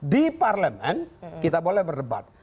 di parlemen kita boleh berdebat